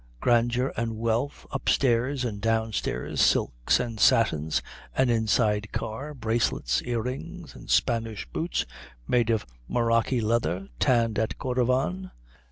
Grandeur an' wealth up stairs and down stairs silks an' satins an inside car bracelets, earrings, and Spanish boots, made of Morroccy leather, tanned at Cordovan.